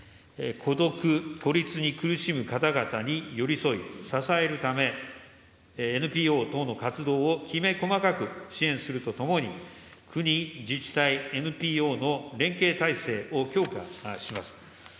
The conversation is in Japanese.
孤独、孤立に苦しむ方々に寄り添い、支えるため、ＮＰＯ等の活動をきめ細かく支援するとともに、国、自治体、ＮＰＯの連携体制を強化します。